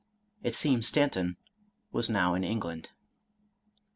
It seems Stanton was now in England.